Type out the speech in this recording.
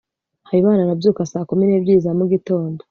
habimana arabyuka saa kumi n'ebyiri za mugitondo